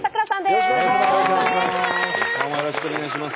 よろしくお願いします。